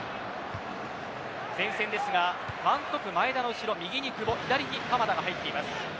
前線ですが、１トップ前田の後ろ右に久保左に鎌田が入っています。